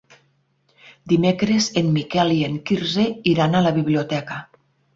Dimecres en Miquel i en Quirze iran a la biblioteca.